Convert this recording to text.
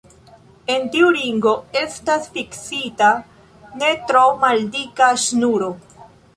En tiu ringo estas fiksita ne tro maldika ŝnuro.